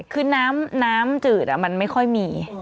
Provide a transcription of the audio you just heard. คือน้ำจืดมันไม่ค่อยมี